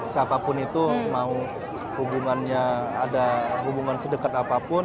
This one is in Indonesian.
siapapun itu mau hubungannya ada hubungan sedekat apapun